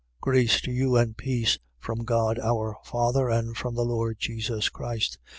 1:3. Grace to you and peace, from God our father and from the Lord Jesus Christ.